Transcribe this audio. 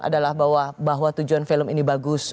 adalah bahwa tujuan film ini bagus